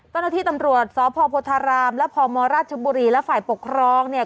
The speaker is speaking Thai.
เวลาที่ตำรวจสพโพทาราคและพมรททะบุรีและฝ่ายปกครองเนี่ย